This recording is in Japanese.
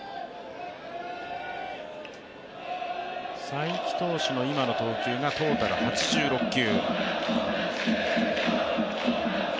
才木投手の今の投球がトータル８６球。